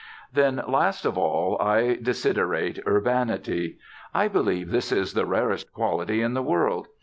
Then, last of all, I desiderate urbanity. I believe this is the rarest quality in the world.